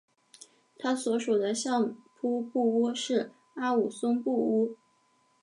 他所属的相扑部屋是阿武松部屋。